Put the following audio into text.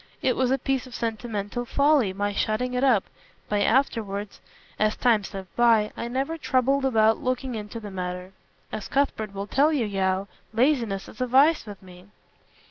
It was a piece of sentimental folly my shutting it up, but afterwards, as time slipped by, I never troubled about looking into the matter. As Cuthbert will tell you, Yeo, laziness is a vice with me."